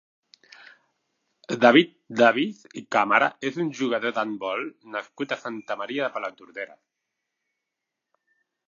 David Davis i Càmara és un jugador d'handbol nascut a Santa Maria de Palautordera.